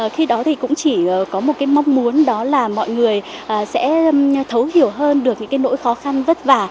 khi đó cũng chỉ có một mong muốn đó là mọi người sẽ thấu hiểu hơn được những nỗi khó khăn vất vả